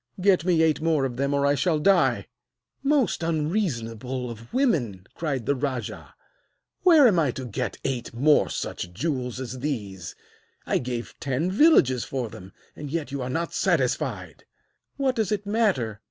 Get me eight more of them or I shall die!' 'Most unreasonable of women,' cried the rajah, 'where am I to get eight more such jewels as these? I gave ten villages for them, and yet you are not satisfied!' 'What does it matter?'